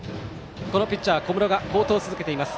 ピッチャー、小室が好投を続けています。